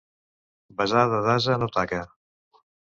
Besada d'ase no taca.